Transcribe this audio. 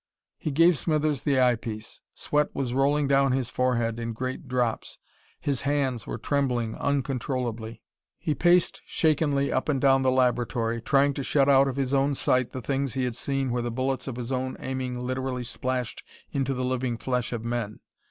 He gave Smithers the eye piece. Sweat was rolling down his forehead in great drops. His hands were trembling uncontrollably. He paced shakenly up and down the laboratory, trying to shut out of his own sight the things he had seen when the bullets of his own aiming literally splashed into the living flesh of men.